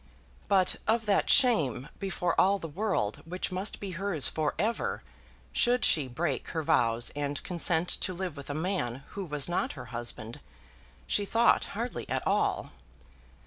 But of that shame before all the world which must be hers for ever, should she break her vows and consent to live with a man who was not her husband, she thought hardly at all.